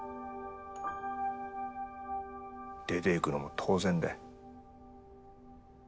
出ていくのも当然だよ。